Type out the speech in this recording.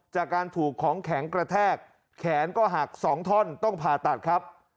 จากการถูกของแข็งกระแทกแขนก็หัก๒ท่อนต้องผ่าตัดครับ